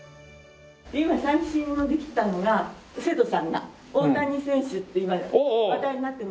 今最新のできたのが生徒さんが大谷選手って今話題になって。